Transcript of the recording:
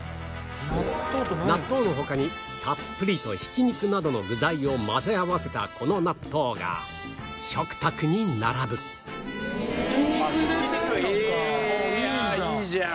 納豆の他にたっぷりとひき肉などの具材を混ぜ合わせたこの納豆が食卓に並ぶいいじゃん！